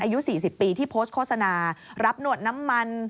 อายุ๔๐ปีที่โพสต์โฆษณารับหนวดน้ำมัน